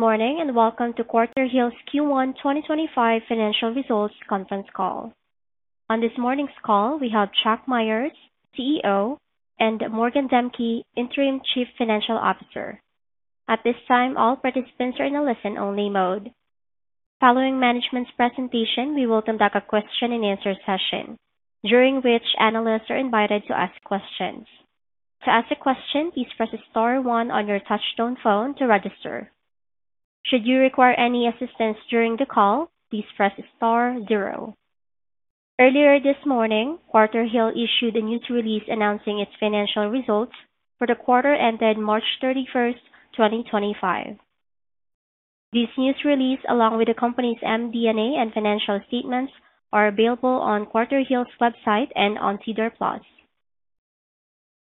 Good morning and welcome to Quarterhill's Q1 2025 Financial Results Conference Call. On this morning's call, we have Chuck Myers, CEO, and Morgan Demkey, Interim Chief Financial Officer. At this time, all participants are in a listen-only mode. Following management's presentation, we will conduct a question-and-answer session, during which analysts are invited to ask questions. To ask a question, please press star 1 on your touchstone phone to register. Should you require any assistance during the call, please press star 0. Earlier this morning, Quarterhill issued a news release announcing its financial results for the quarter ended March 31st, 2025. This news release, along with the company's MD&A and financial statements, is available on Quarterhill's website and on SEDAR+.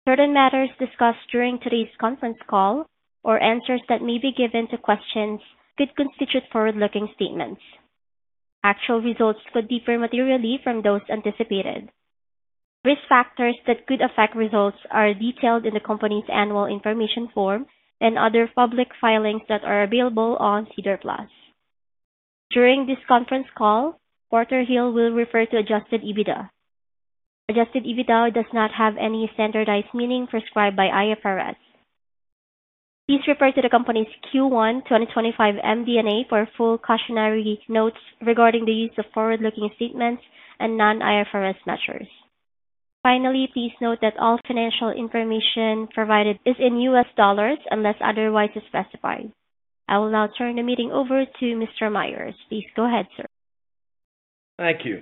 Certain matters discussed during today's conference call, or answers that may be given to questions, could constitute forward-looking statements. Actual results could differ materially from those anticipated. Risk factors that could affect results are detailed in the company's annual information form and other public filings that are available on SEDAR+. During this conference call, Quarterhill will refer to adjusted EBITDA. Adjusted EBITDA does not have any standardized meaning prescribed by IFRS. Please refer to the company's Q1 2025 MD&A for full cautionary notes regarding the use of forward-looking statements and non-IFRS measures. Finally, please note that all financial information provided is in U.S. dollars unless otherwise specified. I will now turn the meeting over to Mr. Myers. Please go ahead, sir. Thank you.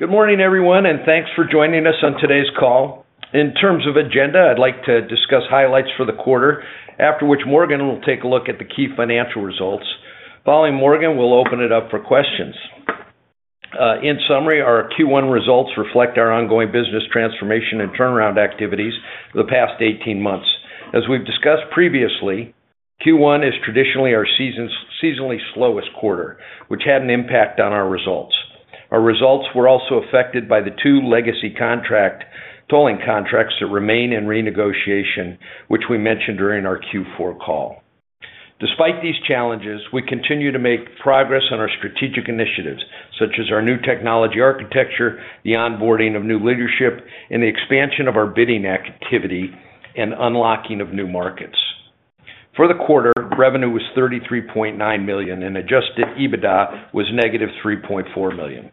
Good morning, everyone, and thanks for joining us on today's call. In terms of agenda, I'd like to discuss highlights for the quarter, after which Morgan will take a look at the key financial results. Following Morgan, we'll open it up for questions. In summary, our Q1 results reflect our ongoing business transformation and turnaround activities for the past 18 months. As we've discussed previously, Q1 is traditionally our seasonally slowest quarter, which had an impact on our results. Our results were also affected by the two legacy tolling contracts that remain in renegotiation, which we mentioned during our Q4 call. Despite these challenges, we continue to make progress on our strategic initiatives, such as our new technology architecture, the onboarding of new leadership, and the expansion of our bidding activity and unlocking of new markets. For the quarter, revenue was $33.9 million, and adjusted EBITDA was negative $3.4 million.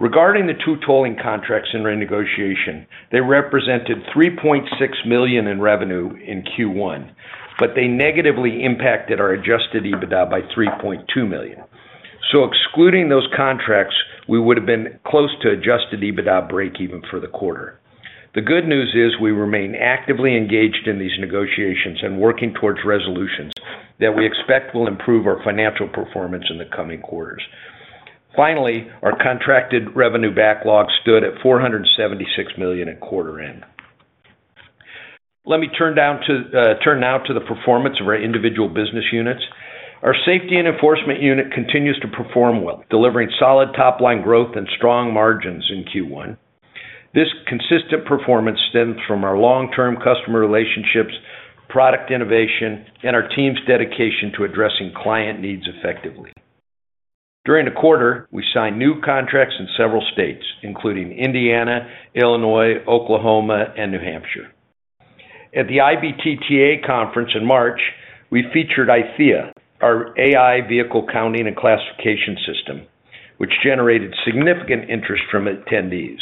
Regarding the two tolling contracts in renegotiation, they represented $3.6 million in revenue in Q1, but they negatively impacted our adjusted EBITDA by $3.2 million. Excluding those contracts, we would have been close to adjusted EBITDA break-even for the quarter. The good news is we remain actively engaged in these negotiations and working towards resolutions that we expect will improve our financial performance in the coming quarters. Finally, our contracted revenue backlog stood at $476 million at quarter-end. Let me turn now to the performance of our individual business units. Our safety and enforcement unit continues to perform well, delivering solid top-line growth and strong margins in Q1. This consistent performance stems from our long-term customer relationships, product innovation, and our team's dedication to addressing client needs effectively. During the quarter, we signed new contracts in several states, including Indiana, Illinois, Oklahoma, and New Hampshire. At the IBTTA Conference in March, we featured iTHEIA, our AI vehicle counting and classification system, which generated significant interest from attendees.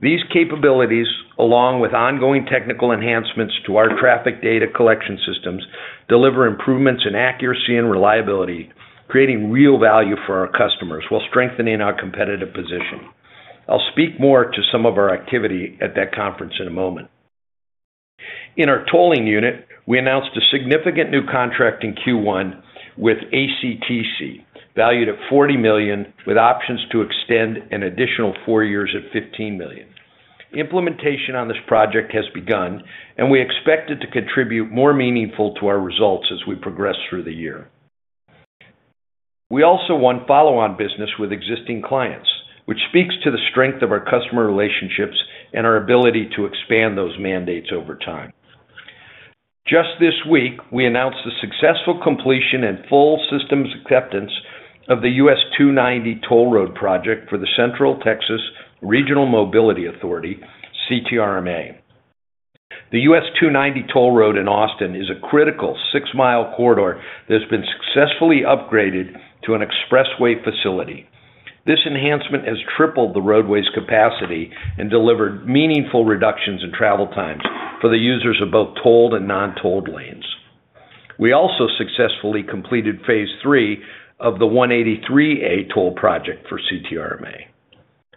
These capabilities, along with ongoing technical enhancements to our traffic data collection systems, deliver improvements in accuracy and reliability, creating real value for our customers while strengthening our competitive position. I'll speak more to some of our activity at that conference in a moment. In our tolling unit, we announced a significant new contract in Q1 with ACTC, valued at $40 million, with options to extend an additional four years at $15 million. Implementation on this project has begun, and we expect it to contribute more meaningfully to our results as we progress through the year. We also want follow-on business with existing clients, which speaks to the strength of our customer relationships and our ability to expand those mandates over time. Just this week, we announced the successful completion and full systems acceptance of the US-290 Toll Road Project for the Central Texas Regional Mobility Authority, CTRMA. The US-290 Toll Road in Austin is a critical six-mile corridor that has been successfully upgraded to an expressway facility. This enhancement has tripled the roadway's capacity and delivered meaningful reductions in travel times for the users of both tolled and non-tolled lanes. We also successfully completed phase three of the 183A toll project for CTRMA.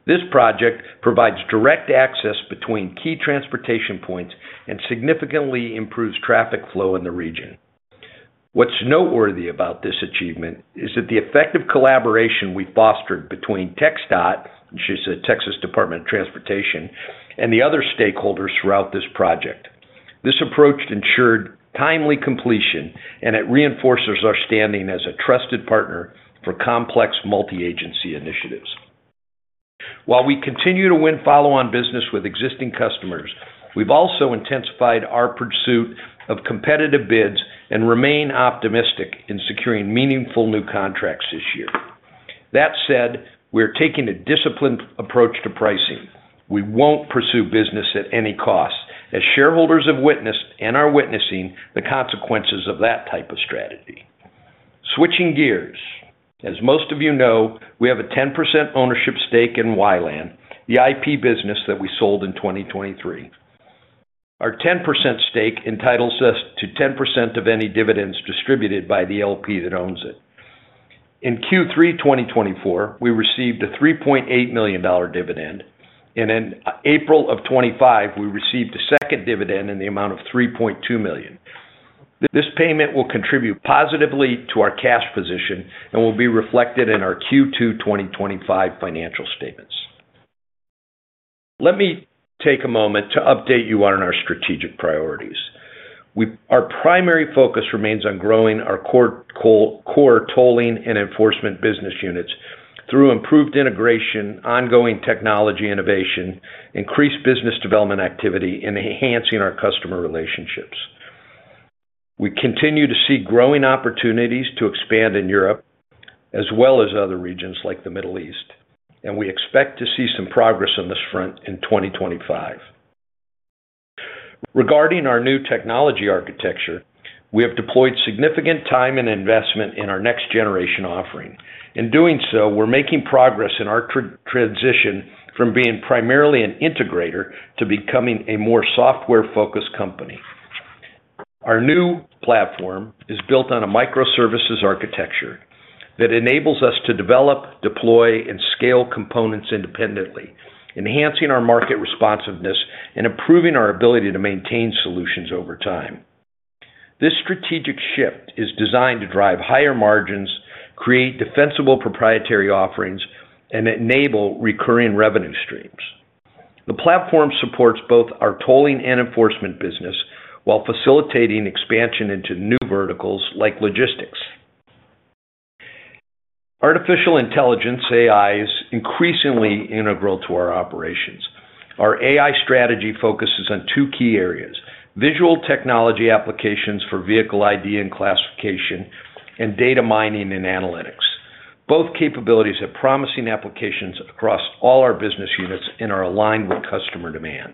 This project provides direct access between key transportation points and significantly improves traffic flow in the region. What's noteworthy about this achievement is the effective collaboration we fostered between TxDOT, which is the Texas Department of Transportation, and the other stakeholders throughout this project. This approach ensured timely completion, and it reinforces our standing as a trusted partner for complex multi-agency initiatives. While we continue to win follow-on business with existing customers, we've also intensified our pursuit of competitive bids and remain optimistic in securing meaningful new contracts this year. That said, we're taking a disciplined approach to pricing. We won't pursue business at any cost, as shareholders have witnessed and are witnessing the consequences of that type of strategy. Switching gears, as most of you know, we have a 10% ownership stake in Wi-LAN, the IP business that we sold in 2023. Our 10% stake entitles us to 10% of any dividends distributed by the LP that owns it. In Q3 2024, we received a $3.8 million dividend, and in April of 2025, we received a second dividend in the amount of $3.2 million. This payment will contribute positively to our cash position and will be reflected in our Q2 2025 financial statements. Let me take a moment to update you on our strategic priorities. Our primary focus remains on growing our core tolling and enforcement business units through improved integration, ongoing technology innovation, increased business development activity, and enhancing our customer relationships. We continue to see growing opportunities to expand in Europe, as well as other regions like the Middle East, and we expect to see some progress on this front in 2025. Regarding our new technology architecture, we have deployed significant time and investment in our next-generation offering. In doing so, we're making progress in our transition from being primarily an integrator to becoming a more software-focused company. Our new platform is built on a microservices architecture that enables us to develop, deploy, and scale components independently, enhancing our market responsiveness and improving our ability to maintain solutions over time. This strategic shift is designed to drive higher margins, create defensible proprietary offerings, and enable recurring revenue streams. The platform supports both our tolling and enforcement business while facilitating expansion into new verticals like logistics. Artificial intelligence (AI) is increasingly integral to our operations. Our AI strategy focuses on two key areas: visual technology applications for vehicle ID and classification, and data mining and analytics. Both capabilities have promising applications across all our business units and are aligned with customer demand.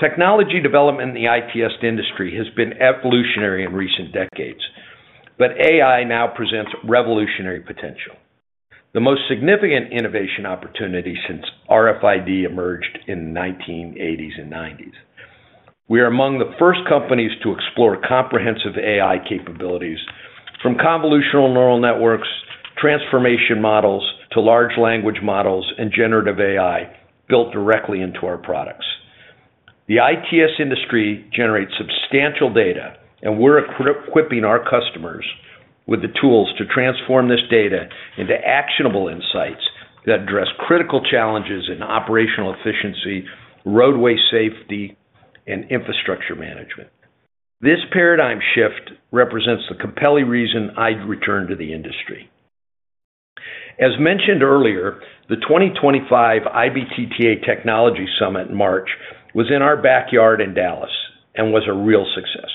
Technology development in the ITS industry has been evolutionary in recent decades, but AI now presents revolutionary potential. The most significant innovation opportunity since RFID emerged in the 1980s and 1990s. We are among the first companies to explore comprehensive AI capabilities, from convolutional neural networks, transformer models, to large language models, and generative AI built directly into our products. The ITS industry generates substantial data, and we're equipping our customers with the tools to transform this data into actionable insights that address critical challenges in operational efficiency, roadway safety, and infrastructure management. This paradigm shift represents the compelling reason I'd return to the industry. As mentioned earlier, the 2025 IBTTA Technology Summit in March was in our backyard in Dallas and was a real success.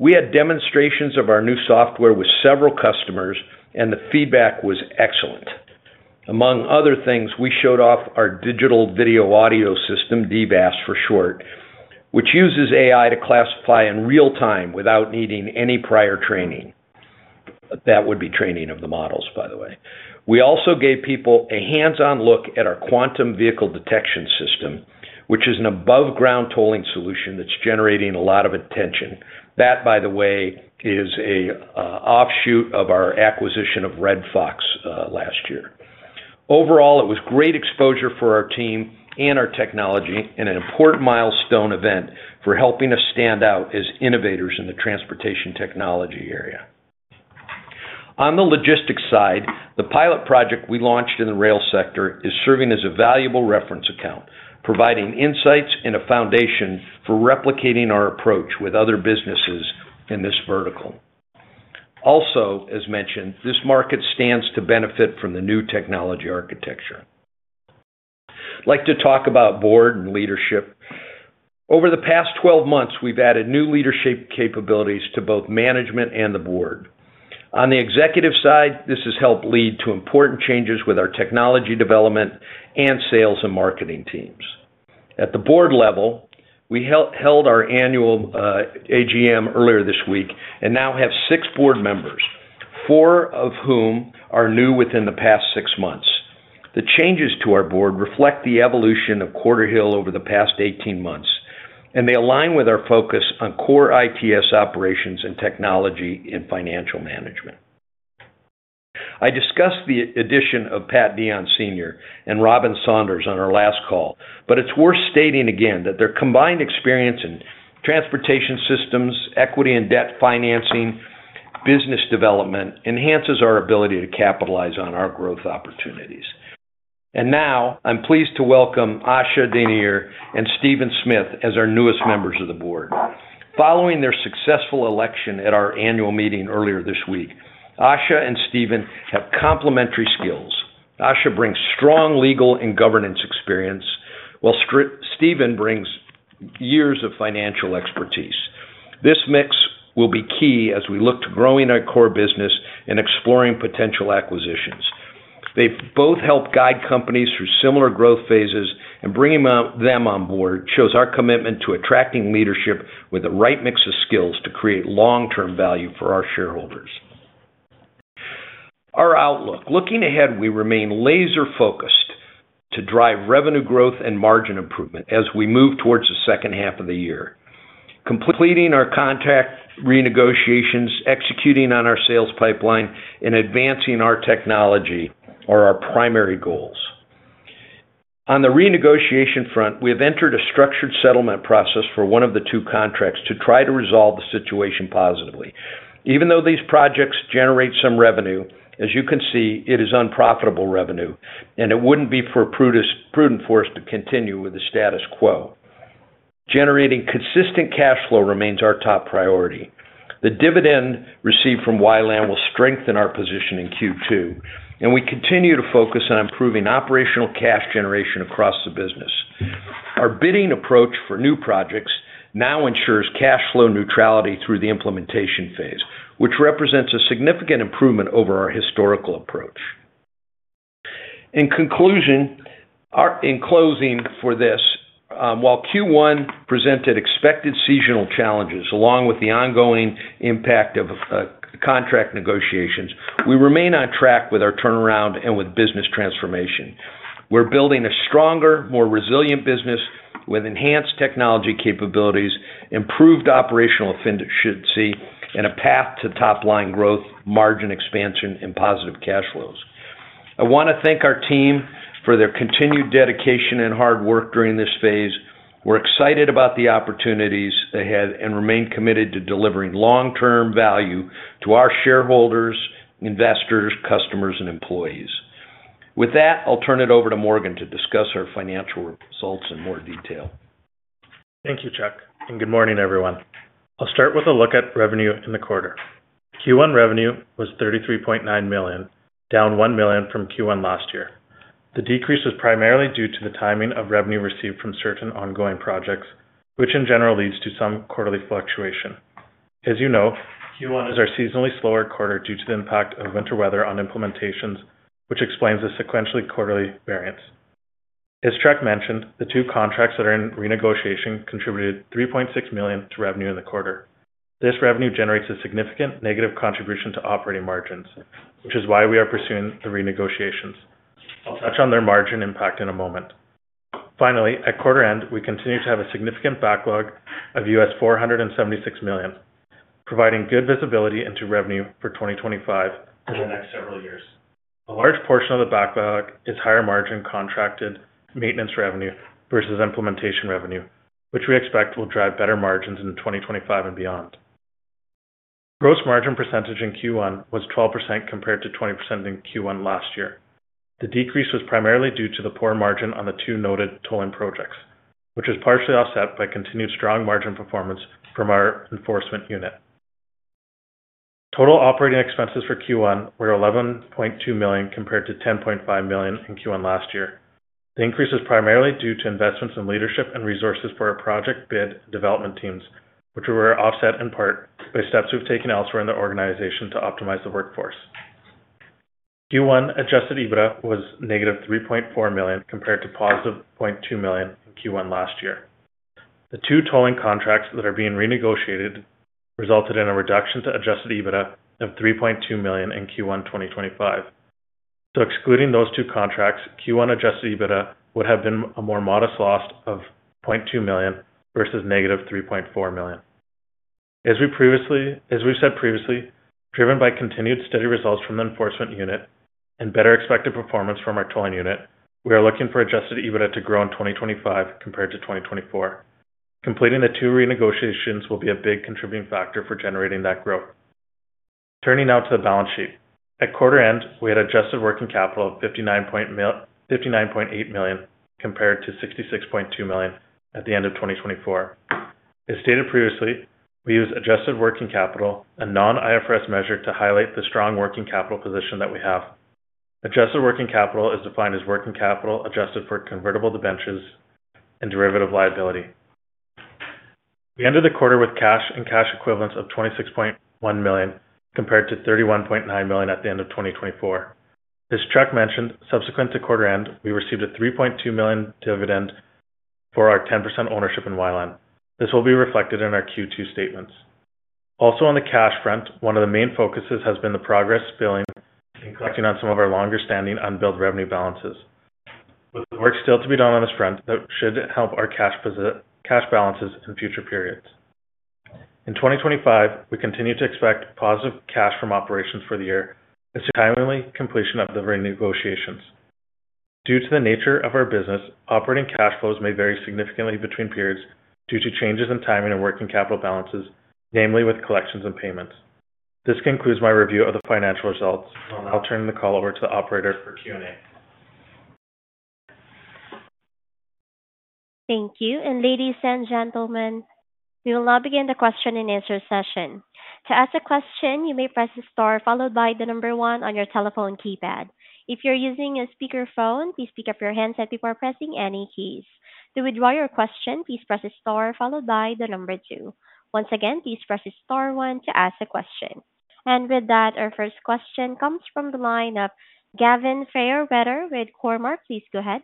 We had demonstrations of our new software with several customers, and the feedback was excellent. Among other things, we showed off our digital video audio system, DVAS for short, which uses AI to classify in real time without needing any prior training. That would be training of the models, by the way. We also gave people a hands-on look at our quantum vehicle detection system, which is an above-ground tolling solution that's generating a lot of attention. That, by the way, is an offshoot of our acquisition of Red Fox last year. Overall, it was great exposure for our team and our technology and an important milestone event for helping us stand out as innovators in the transportation technology area. On the logistics side, the pilot project we launched in the rail sector is serving as a valuable reference account, providing insights and a foundation for replicating our approach with other businesses in this vertical. Also, as mentioned, this market stands to benefit from the new technology architecture. I'd like to talk about board and leadership. Over the past 12 months, we've added new leadership capabilities to both management and the board. On the executive side, this has helped lead to important changes with our technology development and sales and marketing teams. At the board level, we held our annual AGM earlier this week and now have six board members, four of whom are new within the past six months. The changes to our board reflect the evolution of Quarterhill over the past 18 months, and they align with our focus on core IPS operations and technology and financial management. I discussed the addition of Pat Deon, Sr. and Robin Saunders on our last call, but it's worth stating again that their combined experience in transportation systems, equity and debt financing, and business development enhances our ability to capitalize on our growth opportunities. I am pleased to welcome Asha Daniere and Stephen Smith as our newest members of the board. Following their successful election at our annual meeting earlier this week, Asha and Steven have complementary skills. Asha brings strong legal and governance experience, while Stephen brings years of financial expertise. This mix will be key as we look to growing our core business and exploring potential acquisitions. They have both helped guide companies through similar growth phases, and bringing them on board shows our commitment to attracting leadership with the right mix of skills to create long-term value for our shareholders. Our outlook: looking ahead, we remain laser-focused to drive revenue growth and margin improvement as we move towards the second half of the year, completing our contract renegotiations, executing on our sales pipeline, and advancing our technology are our primary goals. On the renegotiation front, we have entered a structured settlement process for one of the two contracts to try to resolve the situation positively. Even though these projects generate some revenue, as you can see, it is unprofitable revenue, and it would not be prudent for us to continue with the status quo. Generating consistent cash flow remains our top priority. The dividend received from Wi-LAN will strengthen our position in Q2, and we continue to focus on improving operational cash generation across the business. Our bidding approach for new projects now ensures cash flow neutrality through the implementation phase, which represents a significant improvement over our historical approach. In conclusion, in closing for this, while Q1 presented expected seasonal challenges along with the ongoing impact of contract negotiations, we remain on track with our turnaround and with business transformation. We're building a stronger, more resilient business with enhanced technology capabilities, improved operational efficiency, and a path to top-line growth, margin expansion, and positive cash flows. I want to thank our team for their continued dedication and hard work during this phase. We're excited about the opportunities ahead and remain committed to delivering long-term value to our shareholders, investors, customers, and employees. With that, I'll turn it over to Morgan to discuss our financial results in more detail. Thank you, Chuck, and good morning, everyone. I'll start with a look at revenue in the quarter. Q1 revenue was $33.9 million, down $1 million from Q1 last year. The decrease was primarily due to the timing of revenue received from certain ongoing projects, which in general leads to some quarterly fluctuation. As you know, Q1 is our seasonally slower quarter due to the impact of winter weather on implementations, which explains the sequentially quarterly variance. As Chuck mentioned, the two contracts that are in renegotiation contributed $3.6 million to revenue in the quarter. This revenue generates a significant negative contribution to operating margins, which is why we are pursuing the renegotiations. I'll touch on their margin impact in a moment. Finally, at quarter end, we continue to have a significant backlog of $476 million, providing good visibility into revenue for 2025 and the next several years. A large portion of the backlog is higher margin contracted maintenance revenue versus implementation revenue, which we expect will drive better margins in 2025 and beyond. Gross margin percentage in Q1 was 12% compared to 20% in Q1 last year. The decrease was primarily due to the poor margin on the two noted tolling projects, which was partially offset by continued strong margin performance from our enforcement unit. Total operating expenses for Q1 were $11.2 million compared to $10.5 million in Q1 last year. The increase was primarily due to investments in leadership and resources for our project bid and development teams, which were offset in part by steps we've taken elsewhere in the organization to optimize the workforce. Q1 adjusted EBITDA was negative $3.4 million compared to positive $0.2 million in Q1 last year. The two tolling contracts that are being renegotiated resulted in a reduction to adjusted EBITDA of $3.2 million in Q1 2025. Excluding those two contracts, Q1 adjusted EBITDA would have been a more modest loss of $0.2 million versus negative $3.4 million. As we've said previously, driven by continued steady results from the enforcement unit and better expected performance from our tolling unit, we are looking for adjusted EBITDA to grow in 2025 compared to 2024. Completing the two renegotiations will be a big contributing factor for generating that growth. Turning now to the balance sheet. At quarter end, we had adjusted working capital of $59.8 million compared to $66.2 million at the end of 2024. As stated previously, we use adjusted working capital, a non-IFRS measure, to highlight the strong working capital position that we have. Adjusted working capital is defined as working capital adjusted for convertible debentures and derivative liability. We ended the quarter with cash and cash equivalents of $26.1 million compared to $31.9 million at the end of 2024. As Chuck mentioned, subsequent to quarter end, we received a $3.2 million dividend for our 10% ownership in Wi-LAN. This will be reflected in our Q2 statements. Also on the cash front, one of the main focuses has been the progress billing and collecting on some of our longer-standing unbilled revenue balances. With work still to be done on this front, that should help our cash balances in future periods. In 2025, we continue to expect positive cash from operations for the year as to timely completion of the renegotiations. Due to the nature of our business, operating cash flows may vary significantly between periods due to changes in timing of working capital balances, namely with collections and payments. This concludes my review of the financial results, and I'll turn the call over to the operator for Q&A. Thank you. Ladies and gentlemen, we will now begin the question and answer session. To ask a question, you may press the star followed by the number one on your telephone keypad. If you're using a speakerphone, please pick up your handset before pressing any keys. To withdraw your question, please press the star followed by the number two. Once again, please press the star one to ask a question. With that, our first question comes from the line of Gavin Fairweather with Cormark. Please go ahead.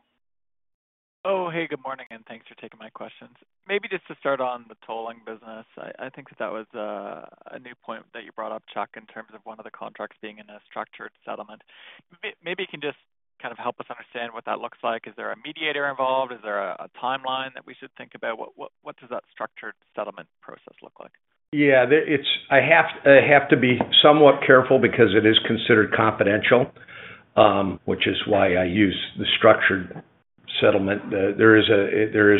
Oh, hey, good morning, and thanks for taking my questions. Maybe just to start on the tolling business, I think that that was a new point that you brought up, Chuck, in terms of one of the contracts being in a structured settlement. Maybe you can just kind of help us understand what that looks like. Is there a mediator involved? Is there a timeline that we should think about? What does that structured settlement process look like? Yeah, I have to be somewhat careful because it is considered confidential, which is why I use the structured settlement. There is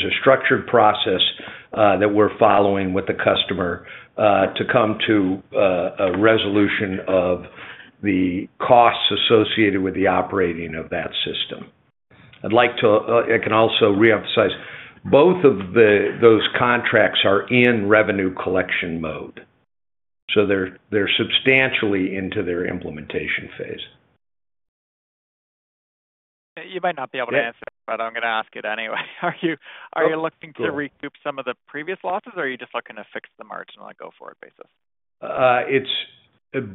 a structured process that we're following with the customer to come to a resolution of the costs associated with the operating of that system. I can also reemphasize, both of those contracts are in revenue collection mode, so they're substantially into their implementation phase. You might not be able to answer it, but I'm going to ask it anyway. Are you looking to recoup some of the previous losses, or are you just looking to fix the margin on a go-forward basis?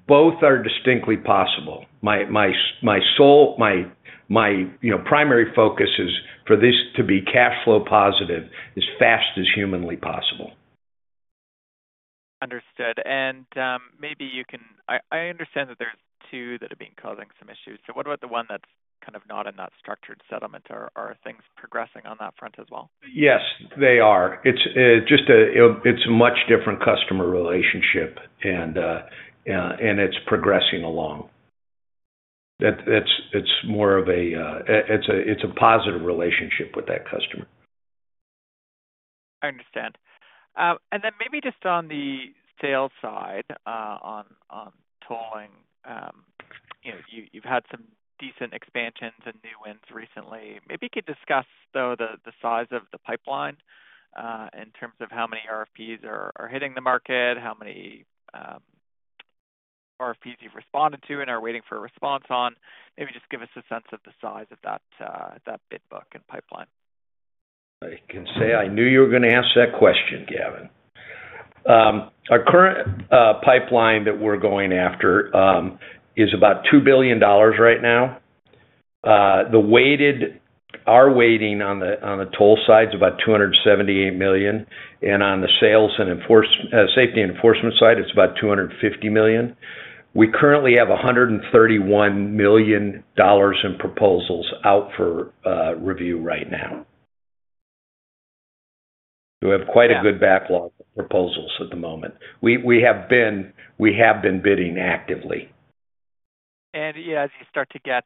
Both are distinctly possible. My primary focus is for this to be cash flow positive as fast as humanly possible. Understood. Maybe you can—I understand that there are two that are causing some issues. What about the one that's kind of not in that structured settlement? Are things progressing on that front as well? Yes, they are. It's a much different customer relationship, and it's progressing along. It's more of a—it's a positive relationship with that customer. I understand. Maybe just on the sales side, on tolling, you've had some decent expansions and new wins recently. Maybe you could discuss, though, the size of the pipeline in terms of how many RFPs are hitting the market, how many RFPs you've responded to and are waiting for a response on. Maybe just give us a sense of the size of that bid book and pipeline. I can say I knew you were going to ask that question, Gavin. Our current pipeline that we're going after is about $2 billion right now. Our weighting on the toll side is about $278 million, and on the sales and safety enforcement side, it's about $250 million. We currently have $131 million in proposals out for review right now. We have quite a good backlog of proposals at the moment. We have been bidding actively. As you start to get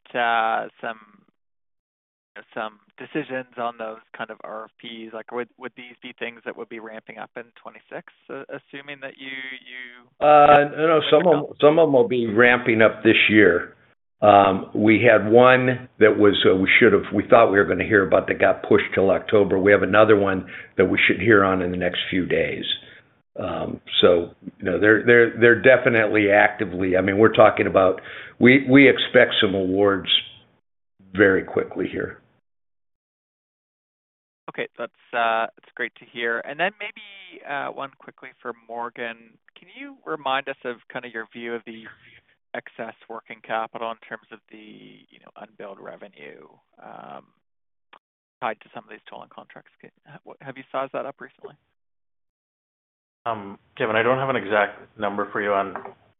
some decisions on those kind of RFPs, would these be things that would be ramping up in 2026, assuming that you— No, no, some of them will be ramping up this year. We had one that we thought we were going to hear about that got pushed till October. We have another one that we should hear on in the next few days. They are definitely actively—I mean, we are talking about—we expect some awards very quickly here. Okay. That is great to hear. Maybe one quickly for Morgan. Can you remind us of your view of the excess working capital in terms of the unbilled revenue tied to some of these tolling contracts? Have you sized that up recently? Gavin, I don't have an exact number for you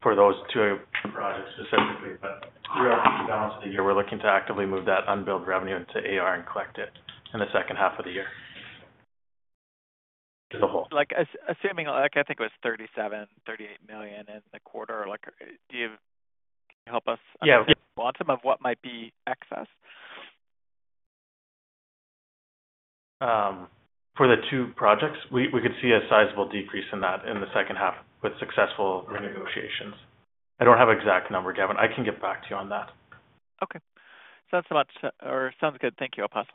for those two projects specifically, but throughout the balance of the year, we're looking to actively move that unbilled revenue into AR and collect it in the second half of the year as a whole. Assuming I think it was $37, $38 million in the quarter, can you help us? Yeah. Quantum of what might be excess? For the two projects, we could see a sizable decrease in that in the second half with successful renegotiations. I don't have an exact number, Gavin. I can get back to you on that. Okay. Sounds about— or sounds good. Thank you. I'll pass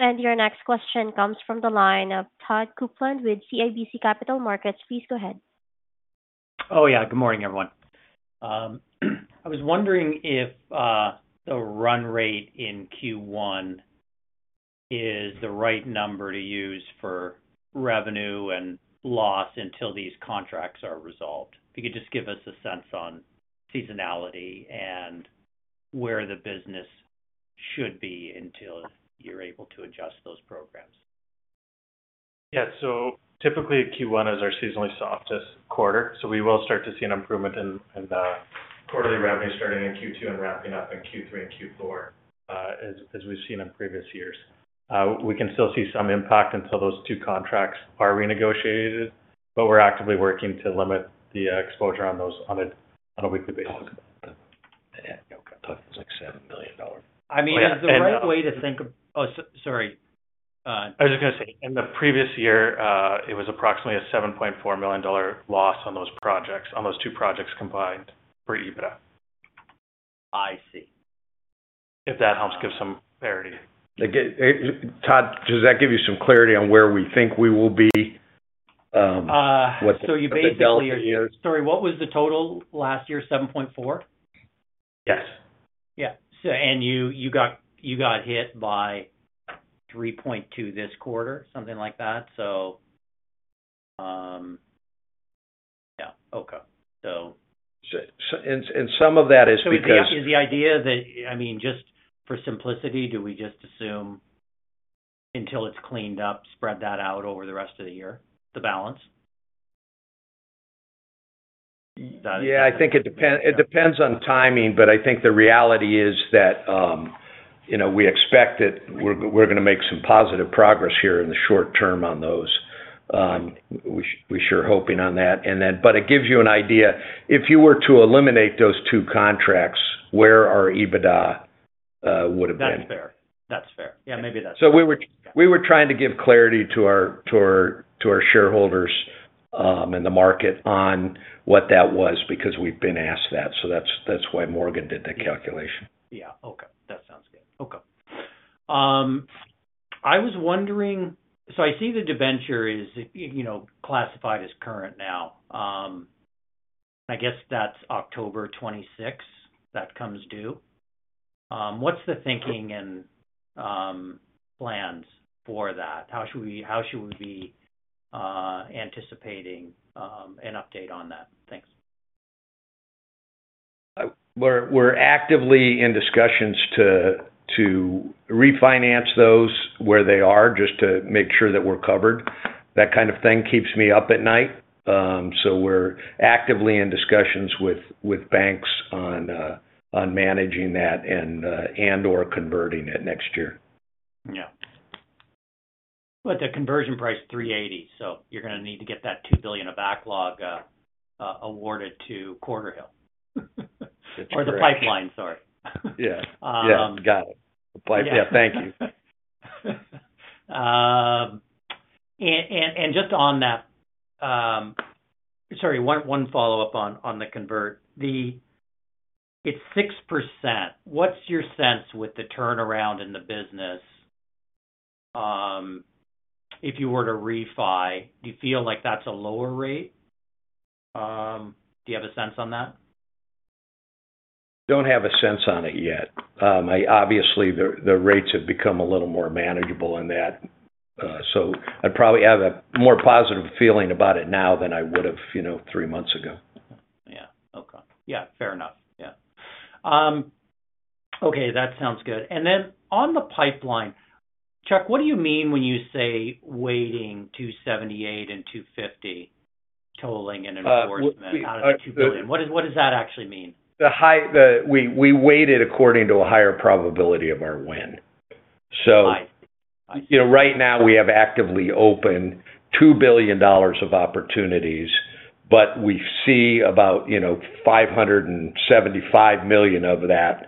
along. Your next question comes from the line of Todd Coupland with CIBC Capital Markets. Please go ahead. Oh, yeah. Good morning, everyone. I was wondering if the run rate in Q1 is the right number to use for revenue and loss until these contracts are resolved. If you could just give us a sense on seasonality and where the business should be until you're able to adjust those programs. Yeah. Typically, Q1 is our seasonally softest quarter. We will start to see an improvement in quarterly revenue starting in Q2 and wrapping up in Q3 and Q4 as we've seen in previous years. We can still see some impact until those two contracts are renegotiated, but we're actively working to limit the exposure on those on a weekly basis. I think it was like $7 million. I mean, is the right way to think—oh, sorry. I was just going to say, in the previous year, it was approximately a $7.4 million loss on those projects, on those two projects combined for EBITDA. I see. If that helps give some clarity. Todd, does that give you some clarity on where we think we will be? You basically—sorry, what was the total last year, $7.4 million? Yes. Yeah. And you got hit by $3.2 million this quarter, something like that. Yeah. Okay. Some of that is because— Is the idea that, I mean, just for simplicity, do we just assume until it's cleaned up, spread that out over the rest of the year, the balance? Yeah. I think it depends on timing, but I think the reality is that we expect that we're going to make some positive progress here in the short term on those. We sure are hoping on that. It gives you an idea. If you were to eliminate those two contracts, where our EBITDA would have been? That's fair. That's fair. Yeah, maybe that's fair. We were trying to give clarity to our shareholders and the market on what that was because we've been asked that. That's why Morgan did the calculation. Yeah. Okay. That sounds good. Okay. I was wondering—I see the debenture is classified as current now. I guess that's October 26 that comes due. What's the thinking and plans for that? How should we be anticipating an update on that? Thanks. We're actively in discussions to refinance those where they are just to make sure that we're covered. That kind of thing keeps me up at night. We're actively in discussions with banks on managing that and/or converting it next year. Yeah. But the conversion price is $380, so you're going to need to get that $2 billion of backlog awarded to Quarterhill. Or the pipeline, sorry. Yeah. Got it. Yeah. Thank you. Just on that—sorry, one follow-up on the convert. It's 6%. What's your sense with the turnaround in the business if you were to refi? Do you feel like that's a lower rate? Do you have a sense on that? Don't have a sense on it yet. Obviously, the rates have become a little more manageable in that. I'd probably have a more positive feeling about it now than I would have three months ago. Yeah. Okay. Yeah. Fair enough. Yeah. Okay. That sounds good. Then on the pipeline, Chuck, what do you mean when you say weighting 278 and 250 tolling and enforcement out of the $2 billion? What does that actually mean? We weight it according to a higher probability of our win. Right now, we have actively open $2 billion of opportunities, but we see about $575 million of that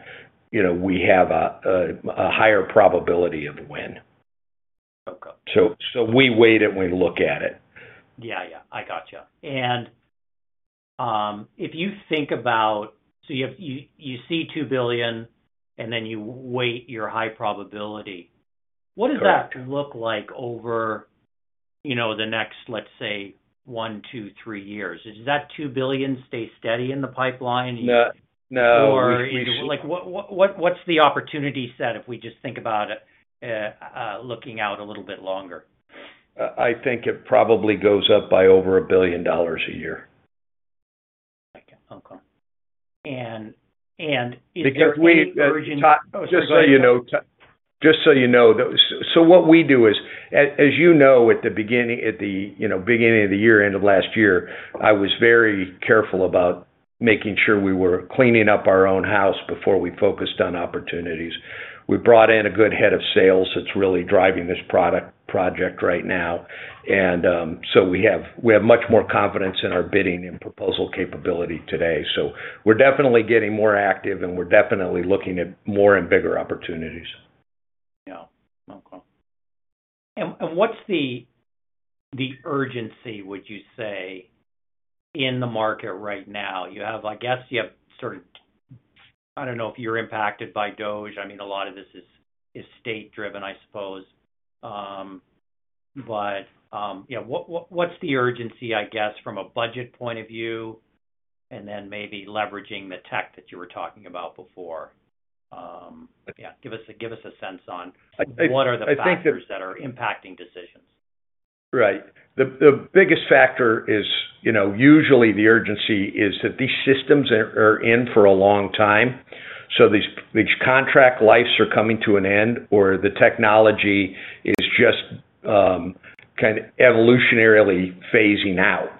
we have a higher probability of win. We weight it when we look at it. Yeah. I gotcha. If you think about—you see $2 billion, and then you weight your high probability. What does that look like over the next, let's say, one, two, three years? Does that $2 billion stay steady in the pipeline? No. Or what's the opportunity set if we just think about it looking out a little bit longer? I think it probably goes up by over $1 billion a year. Okay. Is there any convergence? Just so you know. Just so you know, so what we do is, as you know, at the beginning of the year, end of last year, I was very careful about making sure we were cleaning up our own house before we focused on opportunities. We brought in a good head of sales that's really driving this project right now. We have much more confidence in our bidding and proposal capability today. We're definitely getting more active, and we're definitely looking at more and bigger opportunities. Yeah. Okay. What's the urgency, would you say, in the market right now? I guess you have sort of—I don't know if you're impacted by DOGE. I mean, a lot of this is state-driven, I suppose. Yeah, what's the urgency, I guess, from a budget point of view, and then maybe leveraging the tech that you were talking about before? Yeah. Give us a sense on what are the factors that are impacting decisions. Right. The biggest factor is usually the urgency is that these systems are in for a long time. These contract lifes are coming to an end, or the technology is just kind of evolutionarily phasing out.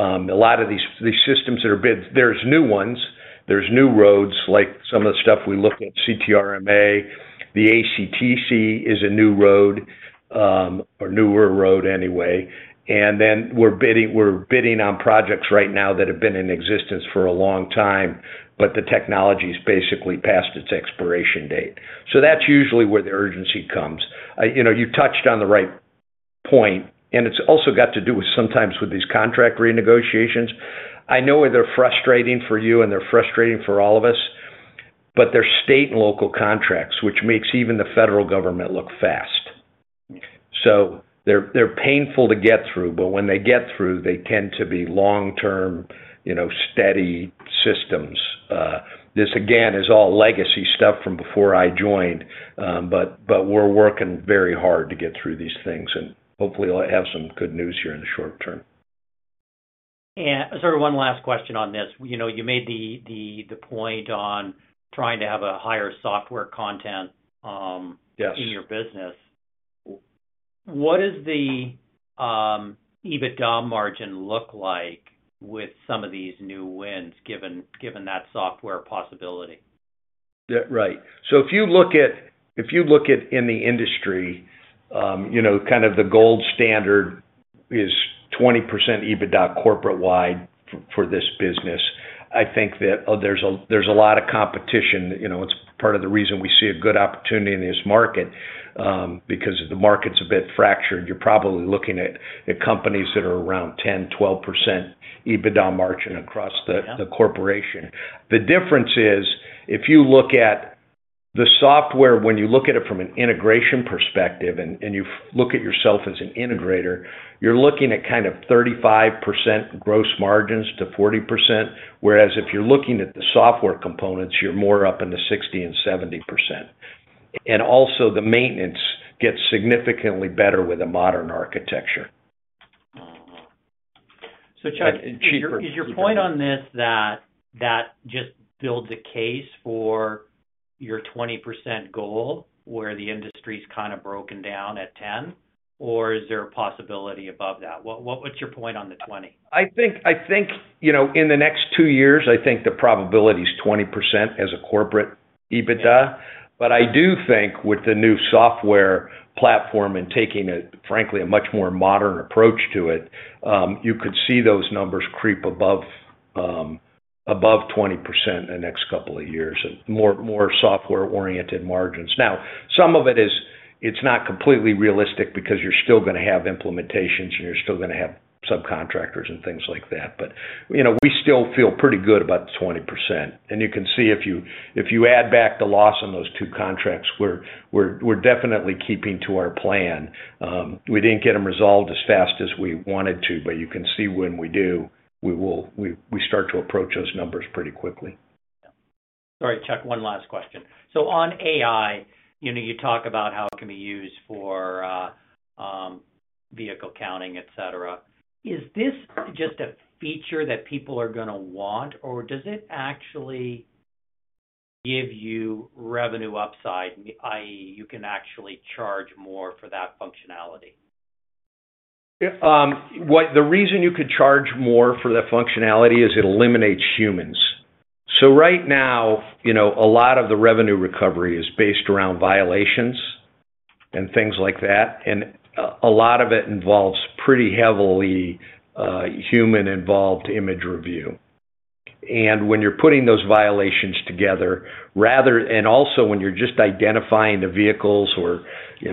A lot of these systems that are bid, there's new ones. There's new roads, like some of the stuff we looked at, CTRMA. The ACTC is a new road, or newer road anyway. We are bidding on projects right now that have been in existence for a long time, but the technology's basically past its expiration date. That's usually where the urgency comes. You touched on the right point, and it's also got to do sometimes with these contract renegotiations. I know they're frustrating for you, and they're frustrating for all of us, but they're state and local contracts, which makes even the federal government look fast. They're painful to get through, but when they get through, they tend to be long-term, steady systems. This, again, is all legacy stuff from before I joined, but we're working very hard to get through these things, and hopefully, we'll have some good news here in the short term. Sort of one last question on this. You made the point on trying to have a higher software content in your business. What does the EBITDA margin look like with some of these new wins given that software possibility? Right. If you look at—in the industry, kind of the gold standard is 20% EBITDA corporate-wide for this business. I think that there's a lot of competition. It's part of the reason we see a good opportunity in this market because the market's a bit fractured. You're probably looking at companies that are around 10-12% EBITDA margin across the corporation. The difference is, if you look at the software, when you look at it from an integration perspective, and you look at yourself as an integrator, you're looking at kind of 35% gross margins to 40%, whereas if you're looking at the software components, you're more up in the 60% and 70%. Also, the maintenance gets significantly better with a modern architecture. Chuck, is your point on this that just builds a case for your 20% goal where the industry's kind of broken down at 10%, or is there a possibility above that? What's your point on the 20%? I think in the next two years, I think the probability is 20% as a corporate EBITDA. But I do think with the new software platform and taking it, frankly, a much more modern approach to it, you could see those numbers creep above 20% in the next couple of years and more software-oriented margins. Now, some of it is it's not completely realistic because you're still going to have implementations, and you're still going to have subcontractors and things like that. But we still feel pretty good about the 20%. And you can see if you add back the loss in those two contracts, we're definitely keeping to our plan. We didn't get them resolved as fast as we wanted to, but you can see when we do, we start to approach those numbers pretty quickly. Yeah. All right, Chuck, one last question. On AI, you talk about how it can be used for vehicle counting, etc. Is this just a feature that people are going to want, or does it actually give you revenue upside, i.e., you can actually charge more for that functionality? The reason you could charge more for the functionality is it eliminates humans. Right now, a lot of the revenue recovery is based around violations and things like that. A lot of it involves pretty heavily human-involved image review. When you're putting those violations together, and also when you're just identifying the vehicles, or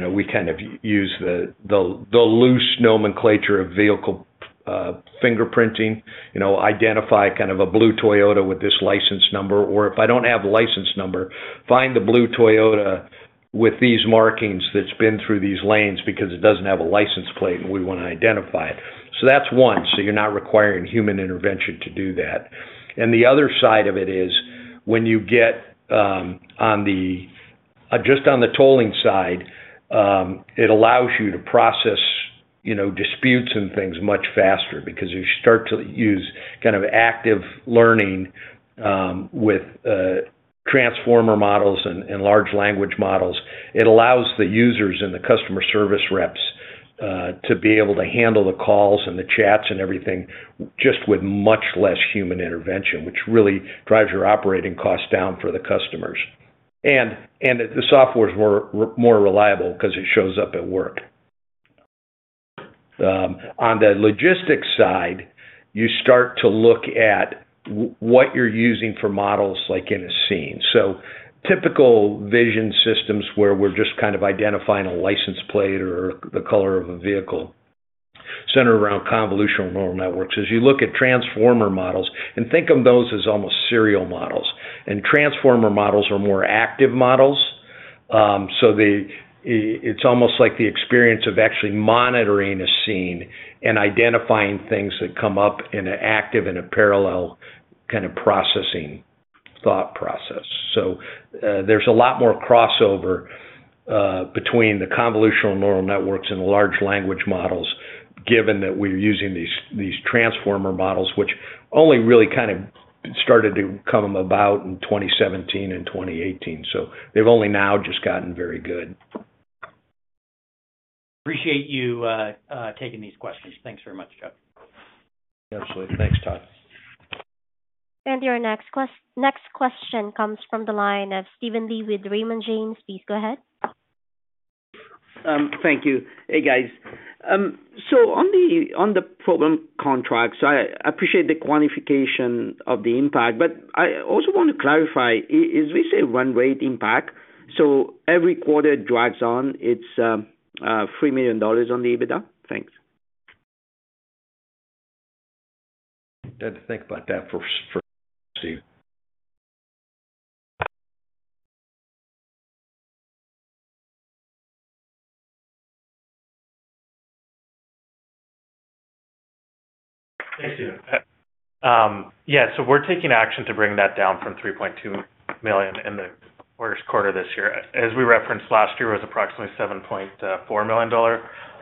we kind of use the loose nomenclature of vehicle fingerprinting, identify kind of a blue Toyota with this license number, or if I don't have a license number, find the blue Toyota with these markings that's been through these lanes because it doesn't have a license plate, and we want to identify it. That's one. You're not requiring human intervention to do that. The other side of it is when you get just on the tolling side, it allows you to process disputes and things much faster because you start to use kind of active learning with transformer models and large language models. It allows the users and the customer service reps to be able to handle the calls and the chats and everything just with much less human intervention, which really drives your operating costs down for the customers. The software's more reliable because it shows up at work. On the logistics side, you start to look at what you're using for models like in a scene. Typical vision systems where we're just kind of identifying a license plate or the color of a vehicle are centered around convolutional neural networks. As you look at transformer models, think of those as almost serial models. Transformer models are more active models. It's almost like the experience of actually monitoring a scene and identifying things that come up in an active and a parallel kind of processing thought process. There is a lot more crossover between the convolutional neural networks and large language models, given that we are using these transformer models, which only really kind of started to come about in 2017 and 2018. They have only now just gotten very good. Appreciate you taking these questions. Thanks very much, Chuck. Absolutely. Thanks, Todd. Your next question comes from the line of Steven Lee with Raymond James. Please go ahead. Thank you. Hey, guys. On the program contracts, I appreciate the quantification of the impact, but I also want to clarify. Is this a one-rate impact? Every quarter drags on. It is $3 million on the EBITDA? Thanks. I had to think about that first, Steven. Thanks, Steven. We are taking action to bring that down from $3.2 million in the first quarter of this year. As we referenced last year, it was approximately $7.4 million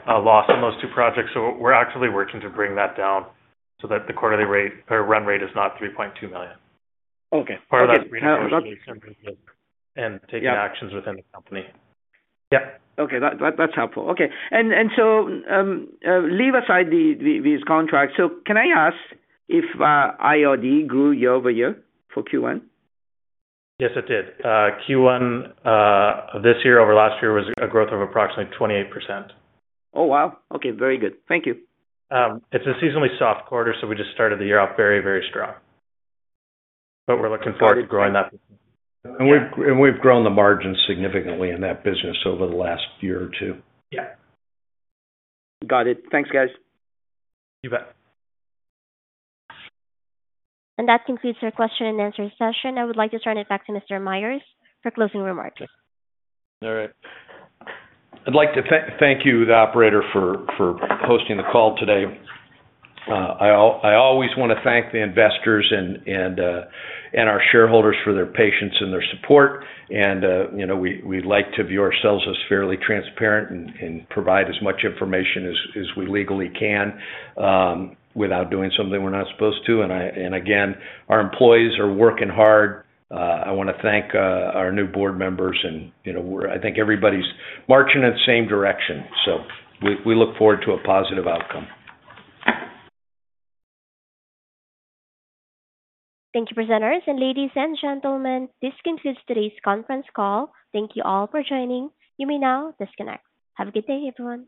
loss on those two projects. We are actively working to bring that down so that the quarterly rate or run rate is not $3.2 million. Okay. And taking actions within the company. Yeah. Okay. That's helpful. Okay. Leave aside these contracts. Can I ask if IRD grew year over year for Q1? Yes, it did. Q1 of this year over last year was a growth of approximately 28%. Oh, wow. Okay. Very good. Thank you. It is a seasonally soft quarter, so we just started the year off very, very strong. We are looking forward to growing that. We have grown the margins significantly in that business over the last year or two. Yeah. Got it. Thanks, guys. You bet. That concludes our question and answer session. I would like to turn it back to Mr. Myers for closing remarks. All right. I'd like to thank you, the operator, for hosting the call today. I always want to thank the investors and our shareholders for their patience and their support. We like to view ourselves as fairly transparent and provide as much information as we legally can without doing something we're not supposed to. Again, our employees are working hard. I want to thank our new board members, and I think everybody's marching in the same direction. We look forward to a positive outcome. Thank you, presenters. Ladies and gentlemen, this concludes today's conference call. Thank you all for joining. You may now disconnect. Have a good day, everyone.